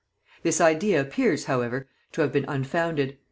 This idea appears, however, to have been unfounded.